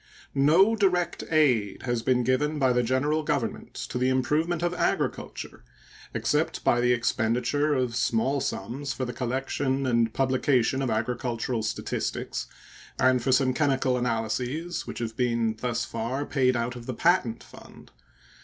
No direct aid has been given by the General Government to the improvement of agriculture except by the expenditure of small sums for the collection and publication of agricultural statistics and for some chemical analyses, which have been thus far paid for out of the patent fund.